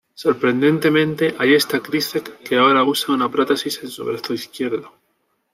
Sorprendentemente ahí está Krycek que ahora usa una prótesis en su brazo izquierdo.